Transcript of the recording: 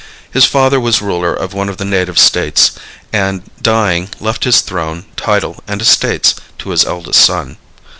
His father was ruler of one of the native states, and dying, left his throne, title and estates to his eldest son.